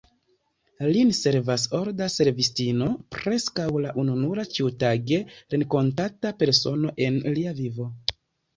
Lin servas “olda servistino, preskaŭ la ununura ĉiutage renkontata persono en lia vivo.